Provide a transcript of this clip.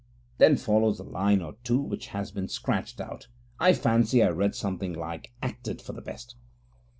[Then follows a line or two which has been scratched out. I fancy I read something like 'acted for the best'.